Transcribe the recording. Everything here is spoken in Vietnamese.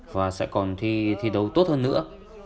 và sẽ còn thi đấu tốt hơn nữa